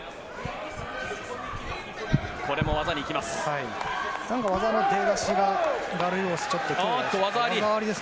これも技に行きます。